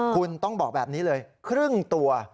คุณต้องบอกแบบนี้เลยครึ่งตัว